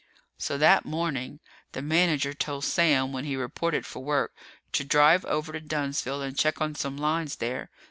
So, that morning, the manager told Sam, when he reported for work, to drive over to Dunnsville and check on some lines there.